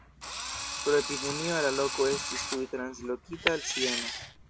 Pro epidemio la loko estis tuj translokita al Sieno.